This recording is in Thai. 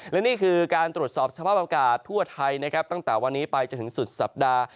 และนี่คือการตรวจสอบสภาพอากาศทั่วไทยนะครับตั้งแต่วันนี้ไปจนถึงสุดสัปดาห์